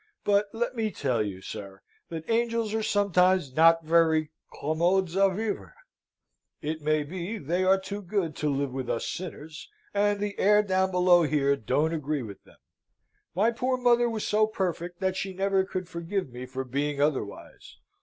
But let me tell you, sir, that angels are sometimes not very commodes a vivre. It may be they are too good to live with us sinners, and the air down below here don't agree with them. My poor mother was so perfect that she never could forgive me for being otherwise.